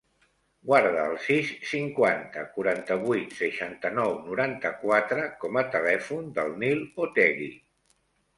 Guarda el sis, cinquanta, quaranta-vuit, seixanta-nou, noranta-quatre com a telèfon del Nil Otegui.